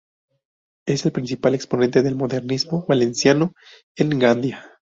Es el principal exponente del modernismo valenciano en Gandía.